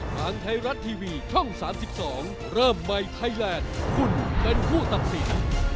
ทางไทยรัฐทีวีช่อง๓๒เริ่มใหม่ไทยแลนด์คุณเป็นผู้ตัดสิน